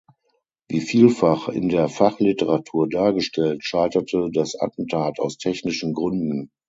Wie vielfach in der Fachliteratur dargestellt, scheiterte das Attentat aus technischen Gründen.